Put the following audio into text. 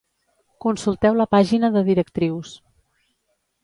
consulteu la Pàgina de Directrius.